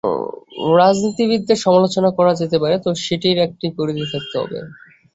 রাজনীতিবিদদের সমালোচনা করা যেতে পারে, তবে সেটির একটি পরিধি থাকতে হবে।